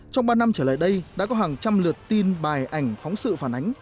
trong ba năm trở lại đây đã có hàng trăm lượt tin bài ảnh phóng sự phản ánh